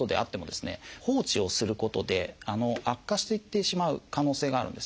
放置をすることで悪化していってしまう可能性があるんですね。